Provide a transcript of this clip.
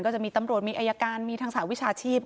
จะมีตำรวจมีอายการมีทางสหวิชาชีพ